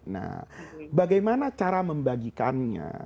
nah bagaimana cara membagikannya